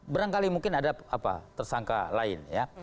berangkali mungkin ada apa tersangka lain ya